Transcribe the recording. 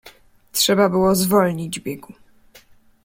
"Trzeba było zwolnić biegu."